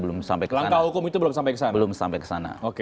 langkah hukum itu belum sampai ke sana